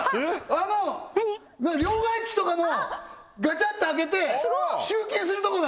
あの両替機とかのガチャッと開けて集金するとこだ！